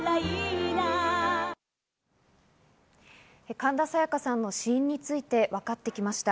神田沙也加さんの死因についてわかってきました。